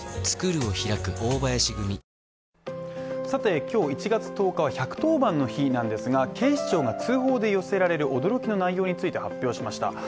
さて今日１月１０日は１１０番の日なんですが、警視庁が通報で寄せられる驚きの内容について発表しました。